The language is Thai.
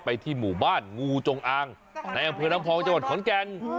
ที่หมู่บ้านงูจงอางในอำเภอน้ำพองจังหวัดขอนแก่น